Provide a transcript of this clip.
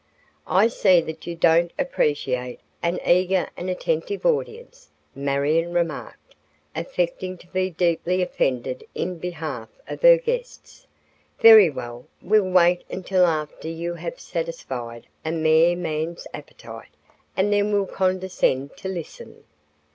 "I see that you don't appreciate an eager and attentive audience," Marion remarked, affecting to be deeply offended in behalf of her guests. "Very well, we'll wait until after you have satisfied a mere man's appetite, and then we'll condescend to listen."